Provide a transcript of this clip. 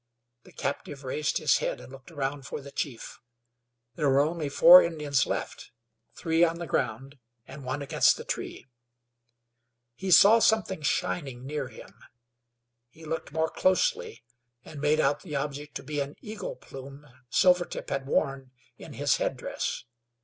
The captive raised his head and looked around for the chief. There were only four Indians left, three on the ground and one against the tree. He saw something shining near him. He looked more closely, and made out the object to be an eagle plume Silvertip had worn, in his head dress.